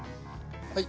はい。